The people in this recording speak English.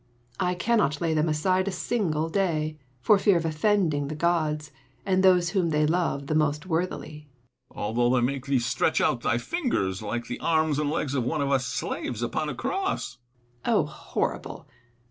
I cannot lay them aside a single day, for fear of offending the gods, and those whom they love the most worthily, Einctetus. Although they make thee stretch out thy fingers, like the arras and legs of one of us slaves upon a cross. 22 l8 IMAGINARY CONVERSATIONS. Seneca. Oh horrible